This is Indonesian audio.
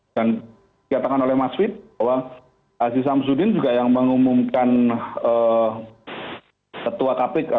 dan dikatakan oleh mas fit bahwa aziz syamsuddin juga yang mengumumkan ketua kpk